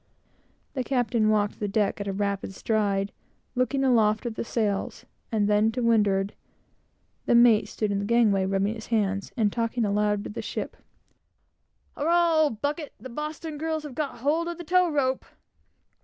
The captain walked the deck at a rapid stride, looked aloft at the sails, and then to windward; the mate stood in the gangway, rubbing his hands, and talking aloud to the ship "Hurrah, old bucket! the Boston girls have got hold of the tow rope!"